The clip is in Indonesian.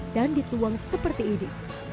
dan dituang seperti ini